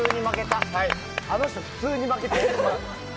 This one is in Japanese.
あの人、普通に負けた。